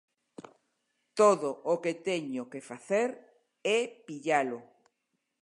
Todo o que teño que facer é pillalo.